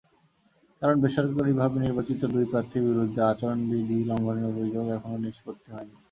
কারণ, বেসরকারিভাবে নির্বাচিত দুই প্রার্থীর বিরুদ্ধে আচরণবিধি লঙ্ঘনের অভিযোগ এখনো নিষ্পত্তি হয়নি।